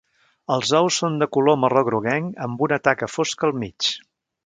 Els ous són de color marró groguenc amb una taca fosca al mig.